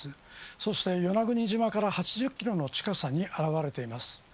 そして与那国島から８０キロの近さに現れています。